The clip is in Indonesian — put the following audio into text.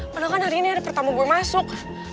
padahal kan hari ini ada pertamu gue masuk